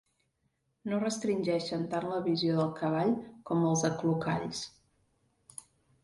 No restringeixen tant la visió del cavall com els aclucalls.